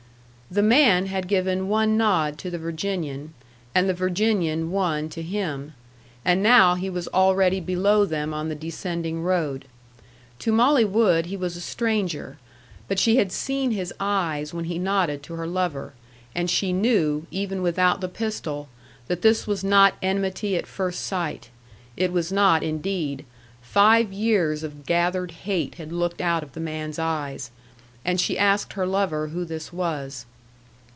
The man had given one nod to the Virginian, and the Virginian one to him; and now he was already below them on the descending road. To Molly Wood he was a stranger; but she had seen his eyes when he nodded to her lover, and she knew, even without the pistol, that this was not enmity at first sight. It was not indeed. Five years of gathered hate had looked out of the man's eyes. And she asked her lover who this was.